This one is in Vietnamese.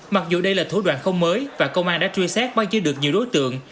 mặc dù đây là thủ đoạn không mới và công an đã truy xét bao nhiêu được nhiều đối tượng